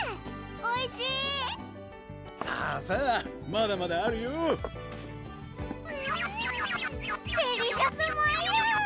おいしいさぁさぁまだまだあるようんデリシャスマイル！